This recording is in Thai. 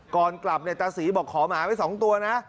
ก่อนกลับเนี่ยตาศรีบอกขอหมาไว้๒ตัวนะ